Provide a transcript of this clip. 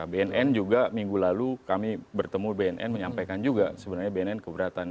bnn juga minggu lalu kami bertemu bnn menyampaikan juga sebenarnya bnn keberatan